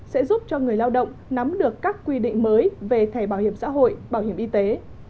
sẽ giúp cho người lao động nắm được các quy định mới về thẻ bảo hiểm xã hội bảo hiểm y tế